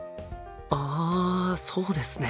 あそうですね。